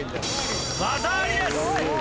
技ありです！